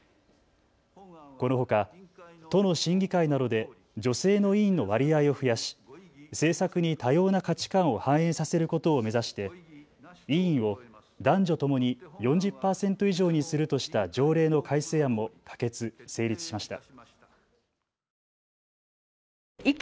このほか、都の審議会などで女性の委員の割合を増やし政策に多様な価値観を反映させることを目指して委員を男女ともに４０％以上にするとした条例の改正案も可決・成立しました。